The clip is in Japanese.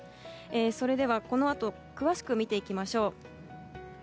それでは詳しく見ていきましょう。